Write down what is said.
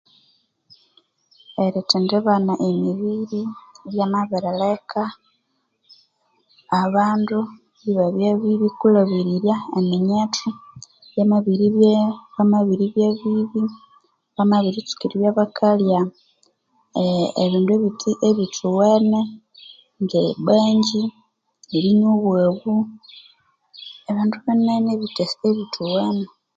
Erithendi bana emibiri lyamabirireka abandu ibabya bibi kwilhabirirya eminyetho yamabiribya bibi bamabiritsuka eribya bakalya ebindu ebithuwene ngebanjji erinywa obwabu ebindi binene ebitha ebithuwene